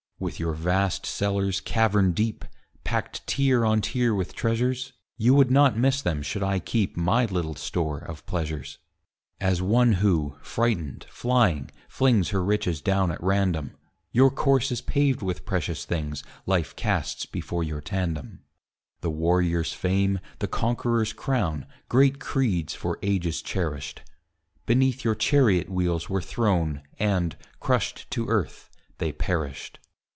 With your vast cellars, cavern deep, Packed tier on tier with treasures, You would not miss them should I keep My little store of pleasures. As one who, frightened, flying, flings Her riches down at random, Your course is paved with precious things Life casts before your tandem: The warrior's fame, the conqueror's crown, Great creeds for ages cherished, Beneath your chariot wheels were thrown, And, crushed to earth, they perished.